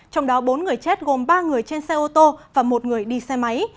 trong đó bốn người chết gồm ba người trên xe ô tô và một người đi xe máy